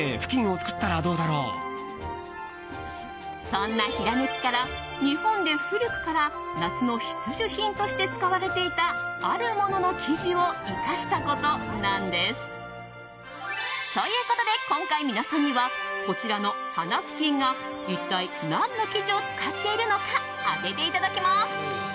そんなひらめきから日本で古くから夏の必需品として使われていたある物の生地を生かしたことなんです。ということで今回、皆さんにはこちらの花ふきんが一体何の生地を使っているのか当てていただきます。